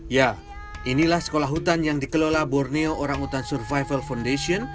ya inilah sekolah hutan yang dikelola borneo orangutan survival foundation